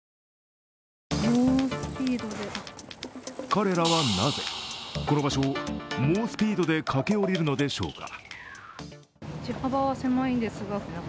彼らはなぜ、この場所を猛スピードで駆け下りるのでしょうか。